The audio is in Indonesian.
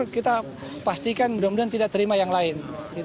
kita pastikan mudah mudahan tidak terima yang lain